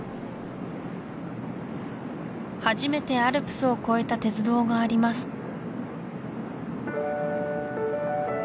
初めてアルプスを越えた鉄道があります